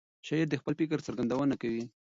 شاعر د خپل فکر څرګندونه کوي.